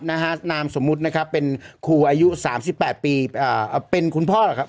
นะฮะน้ำสมมุตินะครับคู่อายุสามสิบแปดปีอะเป็นคุณพ่อหรอครับ